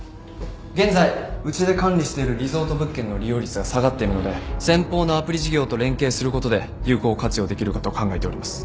現在うちで管理しているリゾート物件の利用率が下がっているので先方のアプリ事業と連携することで有効活用できるかと考えております。